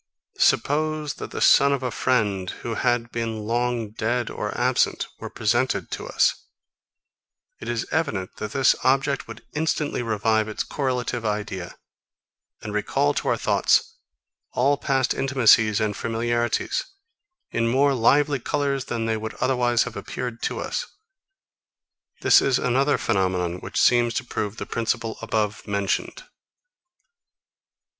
Suppose, that the son of a friend, who had been long dead or absent, were presented to us; it is evident, that this object would instantly revive its correlative idea, and recal to our thoughts all past intimacies and familiarities, in more lively colours than they would otherwise have appeared to us. This is another phaenomenon, which seems to prove the principle above mentioned.